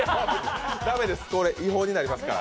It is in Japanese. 駄目です、これ違法になりますから。